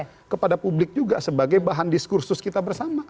dan juga kepada publik juga sebagai bahan diskursus kita bersama